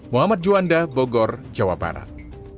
muhammad juanda bogor jawa barat